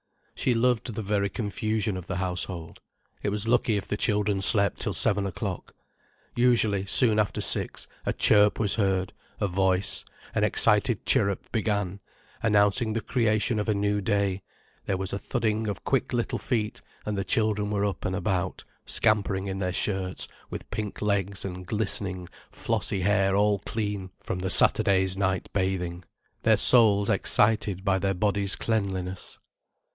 She loved the very confusion of the household. It was lucky if the children slept till seven o'clock. Usually, soon after six, a chirp was heard, a voice, an excited chirrup began, announcing the creation of a new day, there was a thudding of quick little feet, and the children were up and about, scampering in their shirts, with pink legs and glistening, flossy hair all clean from the Saturday's night bathing, their souls excited by their bodies' cleanliness.